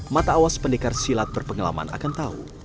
mata awas pendekar silat berpengalaman akan tahu